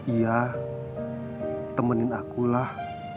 iya temenin akulah